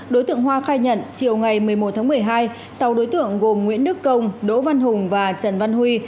đối tượng hoa khai nhận chiều ngày một mươi một tháng một mươi hai sáu đối tượng gồm nguyễn đức công đỗ văn hùng và trần văn huy